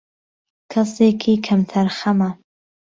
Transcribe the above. کەسێکی کەم تەرخەمە